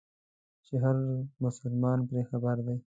چې هر مسلمان پرې خبر دی.